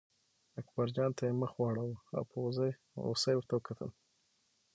اکبرجان ته یې مخ واړاوه او په غوسه یې ورته وکتل.